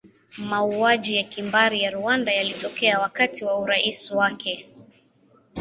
Mauaji ya kimbari ya Rwanda yalitokea wakati wa urais wake.